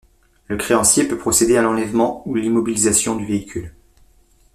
Le créancier peut procéder à l'enlèvement ou l'immobilisation du véhicule.